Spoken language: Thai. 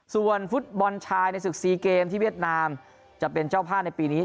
ส่วนฟุตบอลชายในศึกซีเกมที่เวียดนามจะเป็นเจ้าภาพในปีนี้